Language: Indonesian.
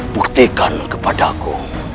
buktikan kepada aku